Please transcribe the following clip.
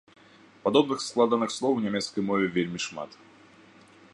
Падобных складаных слоў у нямецкай мове вельмі шмат.